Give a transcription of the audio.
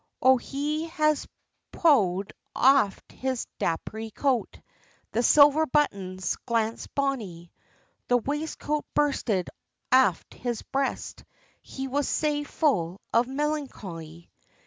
O he has pou'd aff his dapperpy coat, The silver buttons glancèd bonny; The waistcoat bursted aff his breast, He was sae full of melancholy.